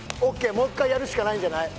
もう一回やるしかないんじゃない？